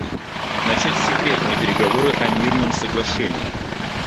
Начать секретные переговоры о мирном соглашении.